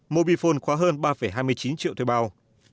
mobifone khóa hơn ba hai mươi chín triệu thuê bao